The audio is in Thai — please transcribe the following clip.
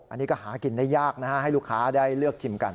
อันนี้ก็หากินได้ยากนะฮะให้ลูกค้าได้เลือกชิมกัน